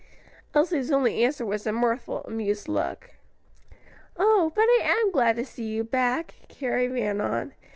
Elsie's only answer was a mirthful, amused look. "Oh, but I am glad to see you back!" Carrie ran on.